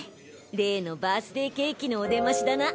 例のバースデーケーキのお出ましだな。